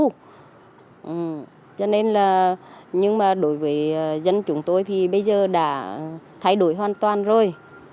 cho nên là nhưng mà đối với dân chúng tôi thì bây giờ đã thay đổi hoàn toàn rồi